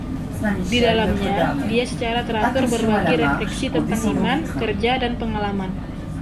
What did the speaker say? Di dalamnya, dia secara teratur berbagi refleksi tentang iman, kerja, dan pengalaman.